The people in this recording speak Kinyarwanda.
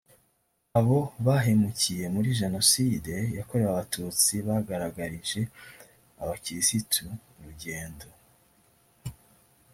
abo bahemukiye muri jenoside yakorewe abatutsi bagaragarije abakirisitu urugendo